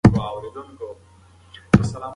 تاسو څنګه د خپلو ډیجیټل فایلونو د حجم د کمولو هڅه کوئ؟